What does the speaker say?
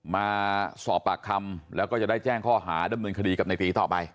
มาสอบปากคำแล้วก็จะได้แจ้งข้อหาดำเนินคดีกับในตีต่อไป